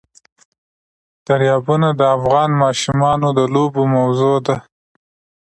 دریابونه د افغان ماشومانو د لوبو موضوع ده.